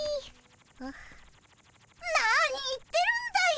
何言ってるんだい。